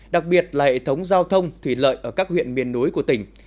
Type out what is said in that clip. đặc biệt là hệ thống giao thông thủy lợi ở các huyện miền núi của tỉnh